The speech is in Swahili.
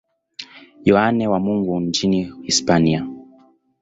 Yohane wa Mungu nchini Hispania.